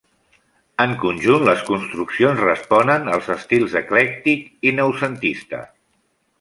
En conjunt, les construccions responen als estils eclèctic i noucentista.